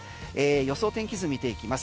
予想天気図見ていきます